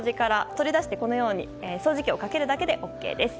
取り出して、このように掃除機をかけるだけでＯＫです。